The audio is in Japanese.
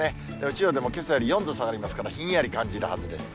千葉でもけさより４度下がりますからひんやり感じるはずです。